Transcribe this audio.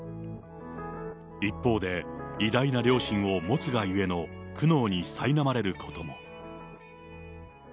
一方で、偉大な両親を持つが故の苦悩にさいなまれることも。